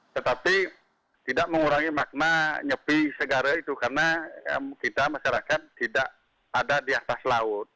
tetapi tidak mengurangi makna nyepi segara itu karena kita masyarakat tidak ada di atas laut